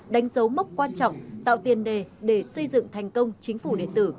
đánh dấu mốc quan trọng tạo tiền đề để xây dựng thành công chính phủ điện tử